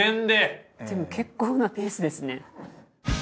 でも結構なペースですね。